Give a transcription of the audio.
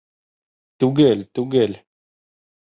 Түгел, түгел!